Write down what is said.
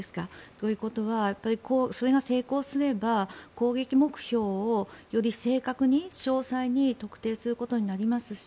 ということはこれが成功すれば攻撃目標をより正確に詳細に特定することになりますし